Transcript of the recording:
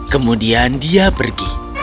kemudian dia pergi